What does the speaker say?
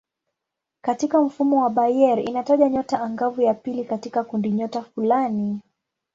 Katika mfumo wa Bayer inataja nyota angavu ya pili katika kundinyota fulani.